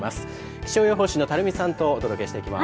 気象予報士の垂水さんとお届けしていきます。